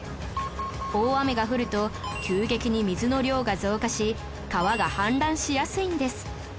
大雨が降ると急激に水の量が増加し川が氾濫しやすいんです